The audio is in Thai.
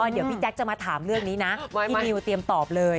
เดี๋ยวพี่แจ๊คจะมาถามเรื่องนี้นะพี่นิวเตรียมตอบเลย